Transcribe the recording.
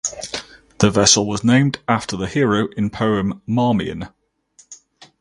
The vessel was named after the hero in poem Marmion.